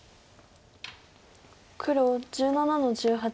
黒１７の十八。